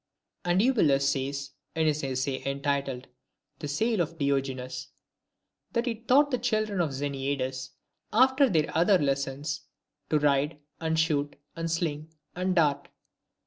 V. And Eubulus says, in his essay entitled, The Sale of Diogenes, that he taught the children of Xeniades, after their other lessons, to ride, and shoot, and sling, and dart.